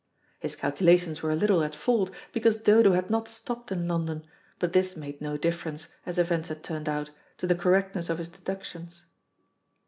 His calculations were a little at fault, because Dodo had not stopped in London, but this made no difference, as events had turned out, to the correctness of his deductions.